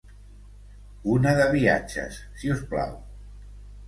Una de viatges si us plau.